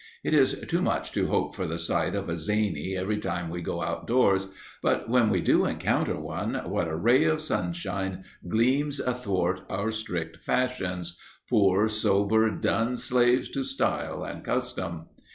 It is too much to hope for the sight of a zany every time we go out doors, but, when we do encounter one, what a ray of sunshine gleams athwart our strict fashions poor sober dun slaves to style and custom!